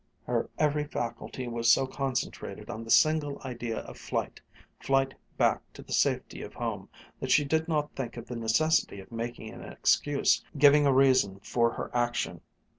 Her every faculty was so concentrated on the single idea of flight flight back to the safety of home, that she did not think of the necessity of making an excuse, giving a reason for her action.